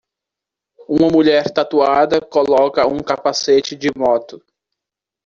Uma mulher tatuada coloca um capacete de moto.